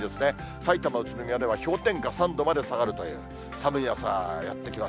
さいたま、宇都宮では氷点下３度まで下がるという、寒い朝やって来ます。